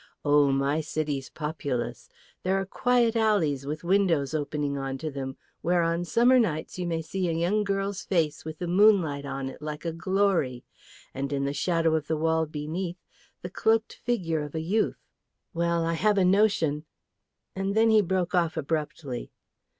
Oh, my city's populous! There are quiet alleys with windows opening onto them, where on summer nights you may see a young girl's face with the moonlight on it like a glory, and in the shadow of the wall beneath, the cloaked figure of a youth. Well, I have a notion " and then he broke off abruptly.